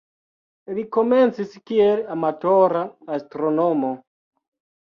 Li komencis kiel amatora astronomo.